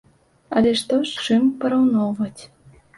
Але што з чым параўноўваць?